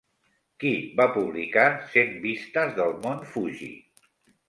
Qui va publicar Cent Vistes del Mont Fuji?